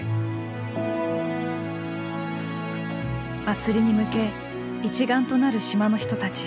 祭りに向け一丸となる島の人たち。